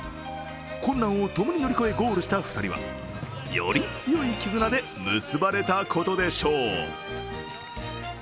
困難を共に乗り越えゴールした２人はより強い絆で結ばれたことでしょう。